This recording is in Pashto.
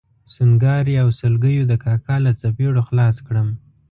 سونګاري او سلګیو د کاکا له څپېړو خلاص کړم.